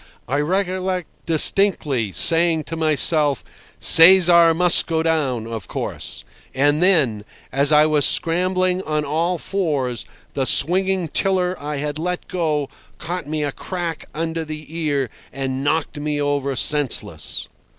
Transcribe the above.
I recollect distinctly saying to myself, "Cesar must go down, of course," and then, as I was scrambling on all fours, the swinging tiller I had let go caught me a crack under the ear, and knocked me over senseless.